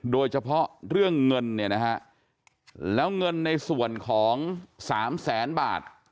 โดยเฉพาะเรื่องเงินแล้วเงินในส่วนของ๓๐๐๐๐๐บาท